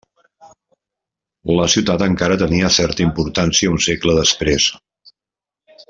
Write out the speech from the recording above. La ciutat encara tenia certa importància un segle després.